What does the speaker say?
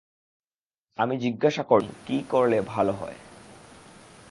আমি জিজ্ঞাসা করলুম, কী করলে ভালো হয়?